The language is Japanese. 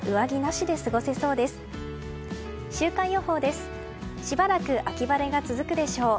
しばらく秋晴れが続くでしょう。